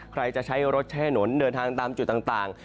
ใครจะใช้รถแช่หนเดินทางตามจุดต่าง